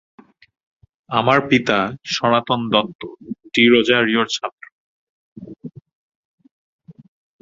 আমার পিতা সনাতন দত্ত ডিরোজিয়োর ছাত্র।